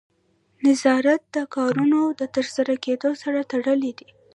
نظارت د کارونو د ترسره کیدو سره تړلی دی.